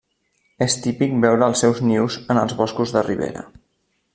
És típic veure els seus nius en els boscos de ribera.